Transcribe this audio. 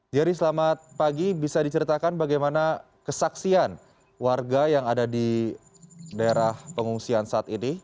jerry selamat pagi bisa diceritakan bagaimana kesaksian warga yang ada di daerah pengungsian saat ini